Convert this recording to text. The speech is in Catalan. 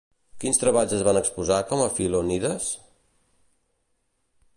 Quins treballs es van exposar com a Filonides?